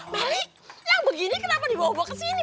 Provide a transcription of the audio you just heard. bali yang begini kenapa dibawa bawa ke sini